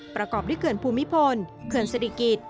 ประกอบด้วยเขื่อนภูมิพลเขื่อนศิริกิจ